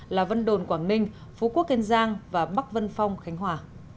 là vân đồn quảng ninh phú quốc kiên giang và bắc vân phong khánh hòa